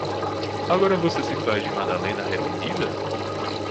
Agora você se faz de Madalena arrependida?